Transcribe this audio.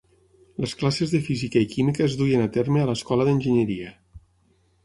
Les classes de física i química es duien a terme a l'escola d'enginyeria.